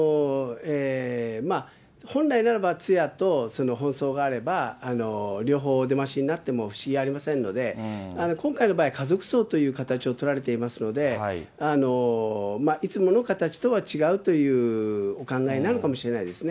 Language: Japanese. まあ本来ならば通夜と本葬があれば、両方お出ましになっても不思議はありませんので、今回の場合、家族葬という形を取られていますので、いつもの形とは違うというお考えなのかもしれないですね。